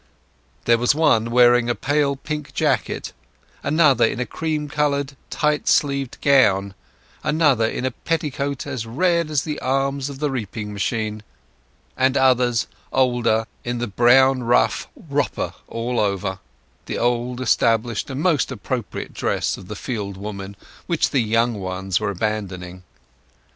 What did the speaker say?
There was one wearing a pale pink jacket, another in a cream coloured tight sleeved gown, another in a petticoat as red as the arms of the reaping machine; and others, older, in the brown rough "wropper" or over all—the old established and most appropriate dress of the field woman, which the young ones were abandoning.